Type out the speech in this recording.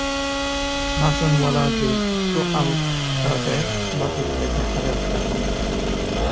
নাচনওআলা যেই একটু আলগা দেয়, বাতিল হয়ে যায় হাজার হাজার মানুষ-পুতুল।